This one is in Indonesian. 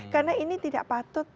karena ini tidak patut